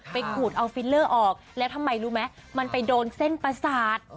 ขูดเอาฟิลเลอร์ออกแล้วทำไมรู้ไหมมันไปโดนเส้นประสาท